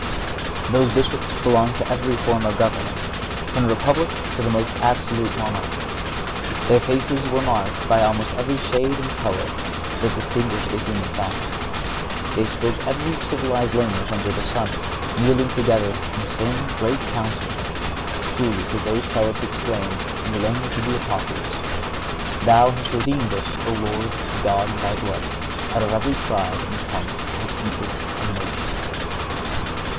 Those Bishops belonged to every form of government, from the republic to the most absolute monarchy.(66) Their faces were marked by almost every shade and color that distinguished the human family. They spoke every civilized language under the sun. Kneeling together in the same great Council Hall, truly could those Prelates exclaim, in the language of the Apocalypse: "Thou hast redeemed us, O Lord, to God in Thy blood, out of every tribe, and tongue, and people, and nation."